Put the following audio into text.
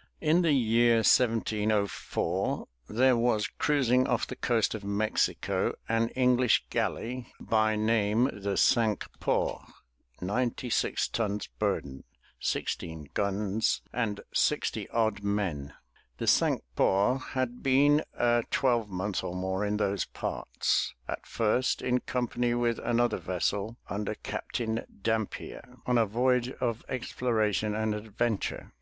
""^^^^^^^ IN the year 1704, there was cruising off the coast of Mexico an English galley, by name the Cinque Ports, 96 tons burden, 16 guns, and sixty odd men. The Cinque Ports had been a twelvemonth or more in those parts, at first in company with another vessel under Captain Dampier, on a voyage of exploration and adventure.